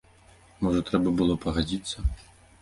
Можа, трэба было пагадзіцца?